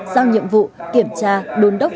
giao nhiệm vụ kiểm tra đôn đốc